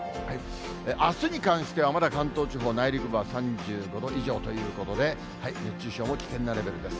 あすに関しては、まだ関東地方、内陸部は３５度以上ということで、熱中症も危険なレベルです。